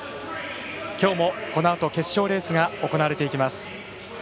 きょうもこのあと決勝レースが行われていきます。